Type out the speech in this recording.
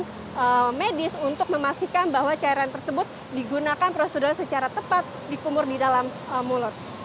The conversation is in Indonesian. dan juga dengan medis untuk memastikan bahwa cairan tersebut digunakan prosedur secara tepat di kumur di dalam mulut